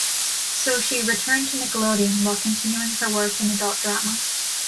So she returned to Nickelodeon, while continuing her work in adult drama.